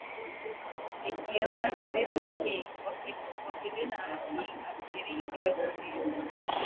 nikaona tumbiri wakilila anasema Nikafikiria ikiwa tumbiri